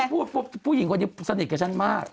เอาแต่นิดแบบพวกผู้หญิงสนิทกับฉันมาก